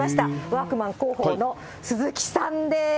ワークマン広報の鈴木さんです。